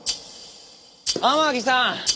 天樹さん！